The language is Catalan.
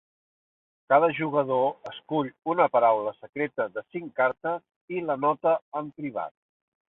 Cada jugador escull una paraula secreta de cinc cartes i l'anota en privat.